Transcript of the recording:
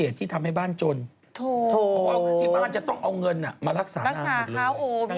ดีแล้วพี่ออฟเต็มที่